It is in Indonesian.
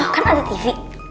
kan ada tv